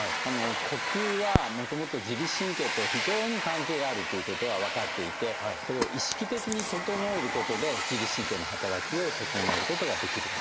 呼吸はもともと自律神経と非常に関係があるということは分かっていてそれを意識的に整えることで自律神経の働きを整えることができると。